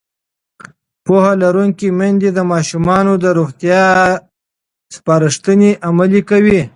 پوهه لرونکې میندې د ماشومانو د روغتیا سپارښتنې عملي کوي.